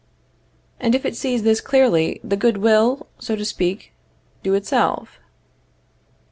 And if it sees this clearly, the good will, so to speak, do itself.